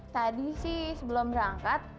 tadi sih sebelum berangkat